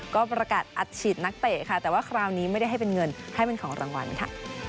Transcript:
ก็ประกาศอัดฉีดนักเตะค่ะแต่ว่าคราวนี้ไม่ได้ให้เป็นเงินให้เป็นของรางวัลค่ะ